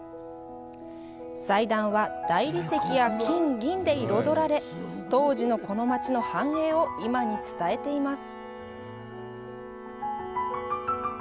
祭壇は大理石や金銀で彩られ当時のこの街の繁栄を今に伝えています。